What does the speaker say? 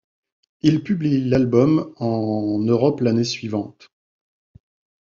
Ils publient l'album ' en Europe l'année suivante.